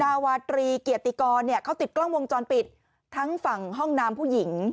วาตรีเกียรติกรเขาติดกล้องวงจรปิดทั้งฝั่งห้องน้ำผู้หญิง